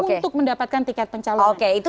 untuk mendapatkan tiket pencalonan